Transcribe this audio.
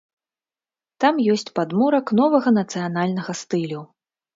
Там ёсць падмурак новага нацыянальнага стылю.